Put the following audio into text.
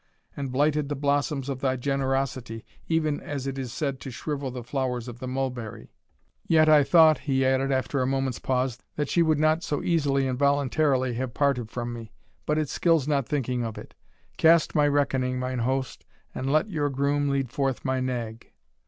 and blighted the blossoms of thy generosity, even as it is said to shrivel the flowers of the mulberry. Yet I thought," he added, after a moment's pause, "that she would not so easily and voluntarily have parted from me. But it skills not thinking of it. Cast my reckoning, mine host, and let your groom lead forth my nag."